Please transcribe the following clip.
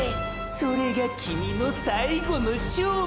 それがキミのォ最後の勝負か！！